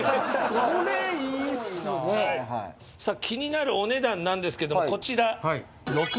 気になるお値段なんですけどこちら。